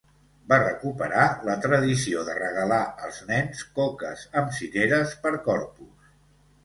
Va recuperar la tradició de regalar als nens coques amb cireres per Corpus.